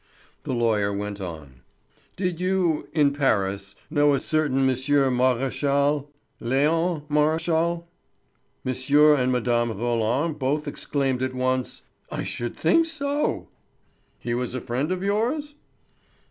The lawyer went on: "Did you, in Paris, know a certain M. Maréchal—Léon Maréchal?" M. and Mme. Roland both exclaimed at once: "I should think so!" "He was a friend of yours?"